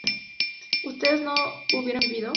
¿ustedes no hubieran vivido?